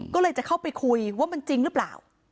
ก็เลยจะเข้าไปคุยว่ามันจริงหรือเปล่า